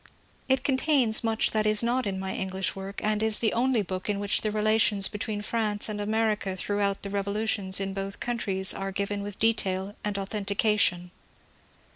^' It contains much that is not in my English work, and is the only book in which the rektions between France and America throughout the rev olutions in both countries are given with detail and authentica tion.